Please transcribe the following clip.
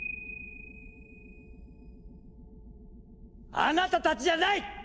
あなたたちじゃない！